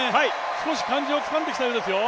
少し感じをつかんできたようですよ。